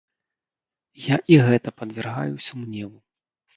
Я і гэта падвяргаю сумневу.